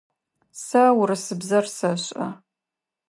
Сэ урысыбзэр сэшӏэ.